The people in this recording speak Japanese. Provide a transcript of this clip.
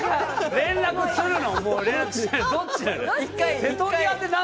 連絡するの？